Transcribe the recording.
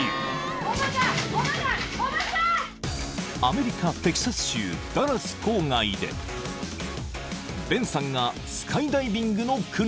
［アメリカテキサス州ダラス郊外でベンさんがスカイダイビングの訓練］